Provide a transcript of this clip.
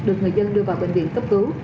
được người dân đưa vào bệnh viện cấp cứu